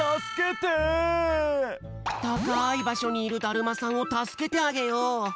たかいばしょにいるだるまさんをたすけてあげよう。